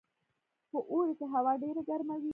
په اوړي کې هوا ډیره ګرمه وي